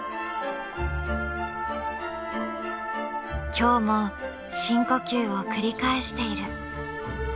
今日も深呼吸を繰り返している。